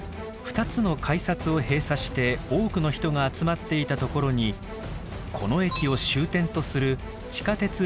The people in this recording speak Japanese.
２つの改札を閉鎖して多くの人が集まっていたところにこの駅を終点とする地下鉄